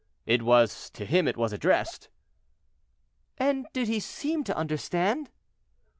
"It was to him it was addressed." "And did he seem to understand?"